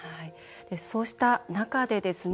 そうした中でですね